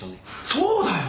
そうだよ。